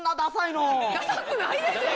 ダサくないですよ